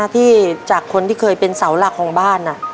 ที่จากคนที่เคยเป็นเสาหลักของบ้าน